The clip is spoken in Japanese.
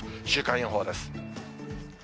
週間予報です。